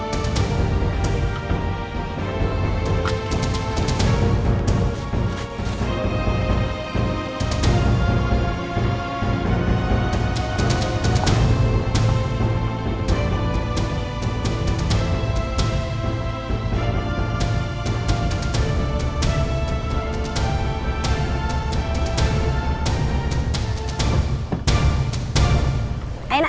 terus sama reina